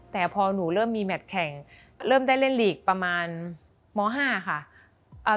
แต่พอหนูเริ่มมีแมทแข่งเริ่มได้เล่นลีกประมาณม๕ค่ะ